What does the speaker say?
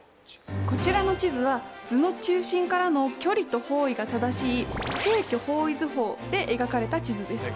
こちらの地図は図の中心からの距離と方位が正しい正距方位図法で描かれた地図です。